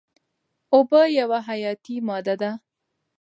اوبه یوه حیاتي ماده ده.